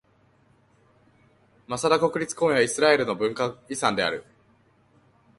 マサダ国立公園はイスラエルの文化遺産である。